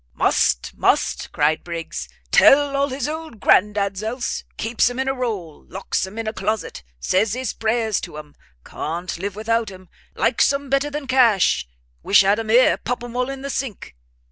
"Must, must!" cried Briggs, "tell all his old grand dads else: keeps 'em in a roll; locks 'em in a closet; says his prayers to 'em; can't live without 'em: likes 'em better than cash! wish had 'em here! pop 'em all in the sink!"